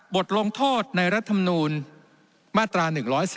บทลงโทษในรัฐมนูลมาตรา๑๔